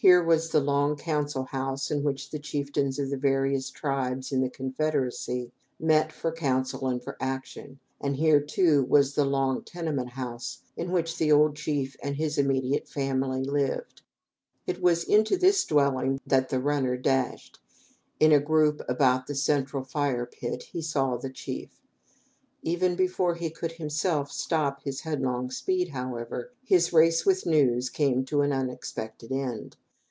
Here was the long council house in which the chieftains of the various tribes in the confederacy met for counsel and for action, and here, too, was the "long tenement house" in which the old chief and his immediate family lived. It was into this dwelling that the runner dashed. In a group about the central fire pit he saw the chief. Even before he could himself stop his headlong speed, however, his race with news came to an unexpected end.